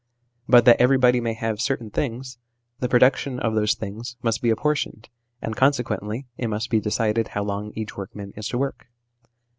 But that everybody may have certain things, the production of those things must be apportioned, and consequently it must be decided how long each workman is to work.